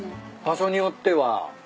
場所によっては。